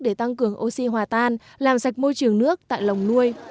để tăng cường oxy hòa tan làm sạch môi trường nước tại lồng nuôi